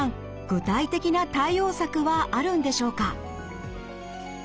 具体的な対応策はあるんでしょうか？